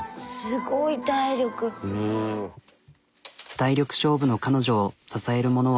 体力勝負の彼女を支えるものは。